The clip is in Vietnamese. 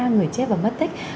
người chết và mất tích